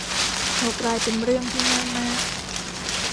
เขากลายเป็นเรื่องที่ง่ายมาก